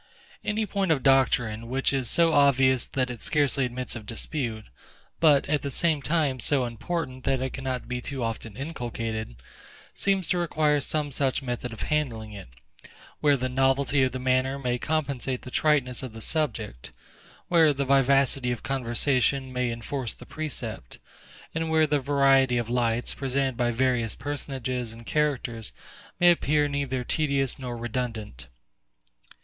Any point of doctrine, which is so obvious that it scarcely admits of dispute, but at the same time so important that it cannot be too often inculcated, seems to require some such method of handling it; where the novelty of the manner may compensate the triteness of the subject; where the vivacity of conversation may enforce the precept; and where the variety of lights, presented by various personages and characters, may appear neither tedious nor redundant.